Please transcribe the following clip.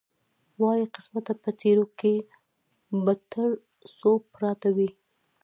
وایه قسمته په تېرو کې به تر څو پراته وي.